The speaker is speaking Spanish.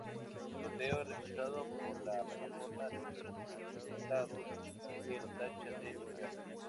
El sorteo es rechazado por la plataforma de afectados que lo tacha de "ilegal".